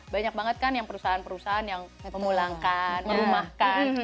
banyak banget kan yang perusahaan perusahaan yang memulangkan merumahkan